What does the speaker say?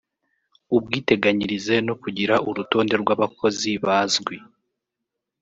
ubwiteganyirize no kugira urutonde rw’abakozi bazwi